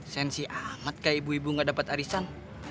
sensi amat kayak ibu ibu gak dapat arisan